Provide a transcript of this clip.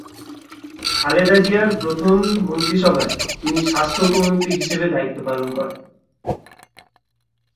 খালেদা জিয়ার প্রথম মন্ত্রিসভায় তিনি স্বাস্থ্য উপমন্ত্রী হিসেবে দায়িত্ব পালন করেন।